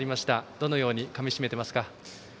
どのようにかみ締めていますか。